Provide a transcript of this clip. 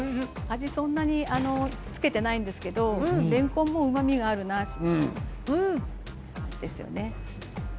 味はそんなに付けていないんですがれんこんのうまみがあっていいですよね。